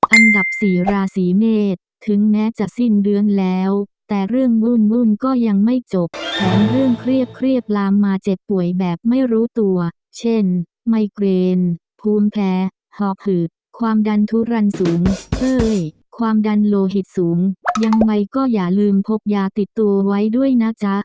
อันดับสี่ราศีเมษถึงแม้จะสิ้นเดือนแล้วแต่เรื่องวุ่นก็ยังไม่จบแถมเรื่องเครียดลามมาเจ็บป่วยแบบไม่รู้ตัวเช่นไมเกรนภูมิแพ้หอคือความดันทุรันสูงเอ้ยความดันโลหิตสูงยังไงก็อย่าลืมพกยาติดตัวไว้ด้วยนะจ๊ะ